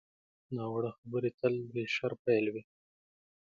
ناوړه خبرې تل د شر پیل وي